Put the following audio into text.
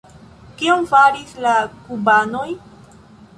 Kion faris la kubanoj?